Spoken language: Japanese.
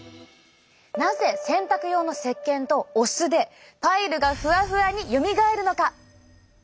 なぜ洗濯用のせっけんとお酢でパイルがふわふわによみがえるのか？